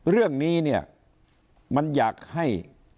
เรื่องนี้เนี่ยมันอยากให้